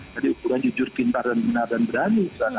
jadi ukuran jujur cinta benar dan berani